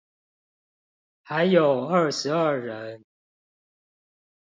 還有二十二人